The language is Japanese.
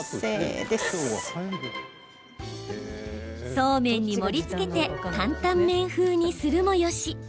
そうめんに盛りつけてタンタン麺風にするもよし。